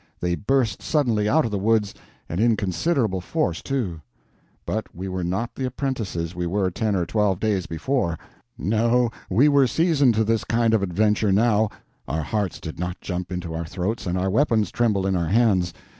They burst suddenly out of the woods, and in considerable force, too; but we were not the apprentices we were ten or twelve days before; no, we were seasoned to this kind of adventure now; our hearts did not jump into our throats and our weapons tremble in our hands.